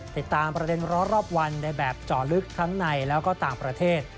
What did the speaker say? ติดตามประเด็นร้อนรอบวันในแบบเจาะลึกทั้งในแล้วก็ต่างประเทศ